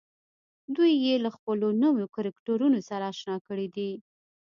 دوی يې له خپلو نويو کرکټرونو سره اشنا کړي دي.